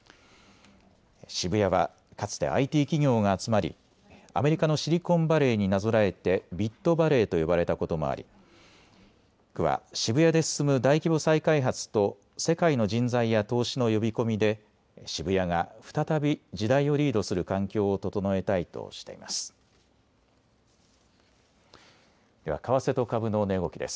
渋谷はかつてＩＴ企業が集まりアメリカのシリコンバレーになぞらえてビットバレーと呼ばれたこともあり区は渋谷で進む大規模再開発と世界の人材や投資の呼び込みで渋谷が再び時代をリードする環境を整えたいとしています。